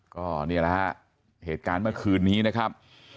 ก็นี่แหละฮะเหตุการณ์เมื่อคืนนี้นะครับ